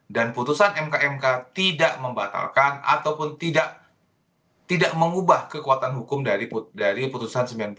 dan putusan mk mk tidak membatalkan ataupun tidak mengubah kekuatan hukum dari putusan sembilan puluh